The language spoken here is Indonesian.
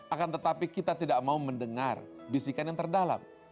akan tetapi kita tidak mau mendengar bisikan yang terdalam